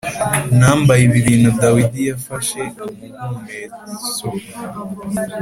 nambaye ibi bintu Dawidi yafashe umuhumetso